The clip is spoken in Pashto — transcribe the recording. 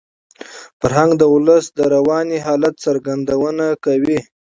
فرهنګ د ولس د رواني حالت څرګندونه کوي.